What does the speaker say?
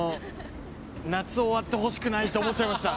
夏を終わってほしくないと思っちゃいました。